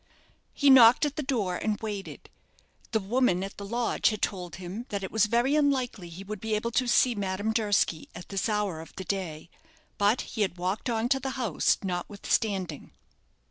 He knocked at the door and waited. The woman at the lodge had told him that it was very unlikely he would be able to see Madame Durski at this hour of the day, but he had walked on to the house notwithstanding.